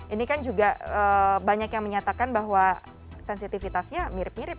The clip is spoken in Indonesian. ini kan juga banyak yang menyatakan bahwa sensitivitasnya mirip mirip